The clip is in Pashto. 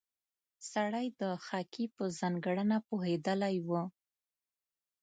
سړی د خاکې په ځانګړنه پوهېدلی و.